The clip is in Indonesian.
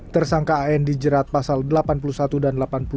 tersangka an dijerat pasal delapan puluh satu dan delapan puluh